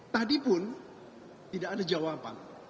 tadi pun tidak ada jawaban